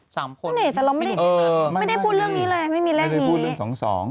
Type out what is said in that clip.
สามคนแต่เราไม่ได้เออไม่ได้พูดเรื่องนี้เลยไม่มีแรกนี้ไม่ได้พูดเรื่องสองสอง